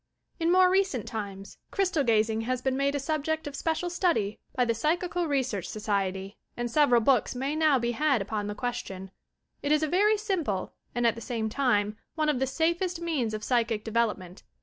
In more recent times Crystal Gazing has been made a subject of special study by the Psychical Research Society and several books may now be had upon the question. It is a vcrj' simple and at the same time one of the safest means of psychic development.